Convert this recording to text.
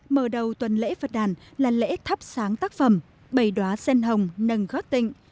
mở đầu tuần lễ phật đàn là lễ thắp sáng tác phẩm bầy đoá sen hồng nâng gót tịnh